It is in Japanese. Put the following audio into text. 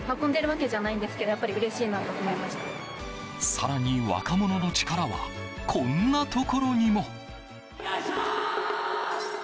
更に若者の力はこんなところにも。